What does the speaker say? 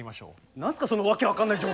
何すかその訳分かんない条件。